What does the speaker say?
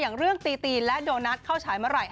อย่างเรื่องตีตีนและโดนัทเข้าฉายเมื่อไหร่